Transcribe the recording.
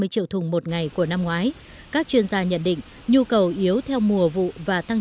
ba mươi triệu thùng một ngày của năm ngoái các chuyên gia nhận định nhu cầu yếu theo mùa vụ và tăng